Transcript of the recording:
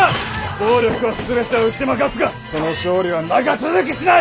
暴力は全てを打ち負かすがその勝利は長続きしない！